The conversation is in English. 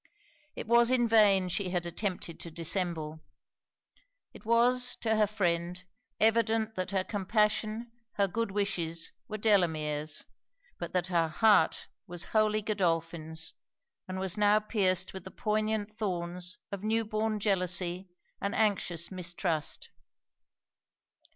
It was in vain she had attempted to dissemble. It was, to her friend, evident, that her compassion, her good wishes, were Delamere's, but that her heart was wholly Godolphin's, and was now pierced with the poignant thorns of new born jealousy and anxious mistrust.